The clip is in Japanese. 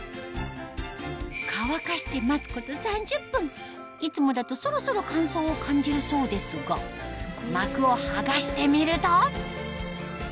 乾かして待つこと３０分いつもだとそろそろ乾燥を感じるそうですが全然。